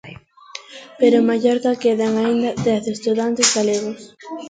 Pero en Mallorca quedan aínda dez estudantes galegos.